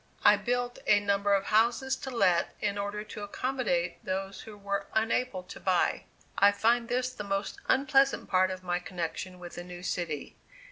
I built a number of houses to let, in order to accommodate those who were unable to buy. I find this the most unpleasant part of my connection with the new city.